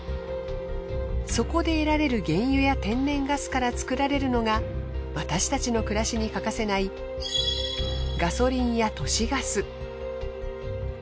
そこで得られる原油や天然ガスから作られるのが私たちの暮らしに欠かせないガソリンや都市ガス。